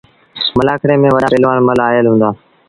ملآکڙي ميݩ وڏآ پهلوآن مله آئيٚل هُݩدآ۔